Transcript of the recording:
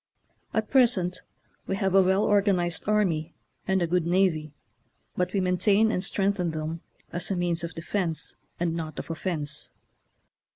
At present we have a well organized army and a good navy, but we maintain and strengthen them as a means of defence and not of offence.